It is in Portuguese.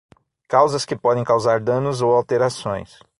Causas que podem causar danos ou alterações.